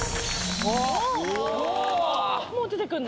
もう出てくんの？